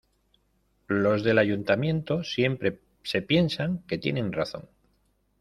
Los del ayuntamiento siempre se piensan que tienen razón.